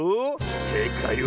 せいかいは。